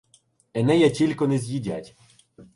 Енея тілько не з'їдять.